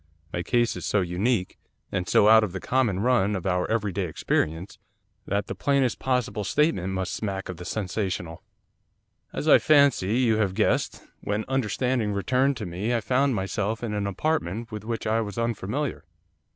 My case is so unique, and so out of the common run of our every day experience, that the plainest possible statement must smack of the sensational. 'As, I fancy, you have guessed, when understanding returned to me, I found myself in an apartment with which I was unfamiliar.